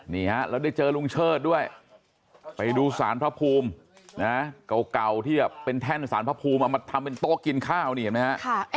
นี่ฮะแล้วได้เจอลุงเชิดด้วยไปดูสารพระภูมินะเก่าที่เป็นแท่นสารพระภูมิเอามาทำเป็นโต๊ะกินข้าวนี่เห็นไหมฮะ